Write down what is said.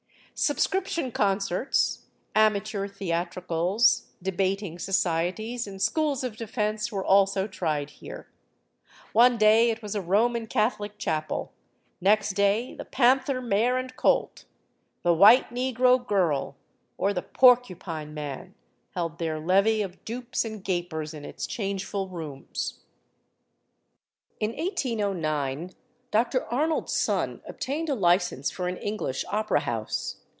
Subscription concerts, amateur theatricals, debating societies, and schools of defence were also tried here. One day it was a Roman Catholic chapel; next day the "Panther Mare and Colt," the "White Negro Girl," or the "Porcupine Man" held their levee of dupes and gapers in its changeful rooms. In 1809 Dr. Arnold's son obtained a licence for an English opera house.